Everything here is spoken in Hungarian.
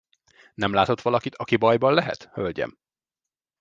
Nem látott valakit, aki bajban lehet, hölgyem?